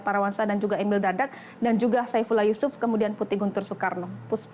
para wansa dan juga emil dadak dan juga saifula yusuf kemudian putih guntur soekarno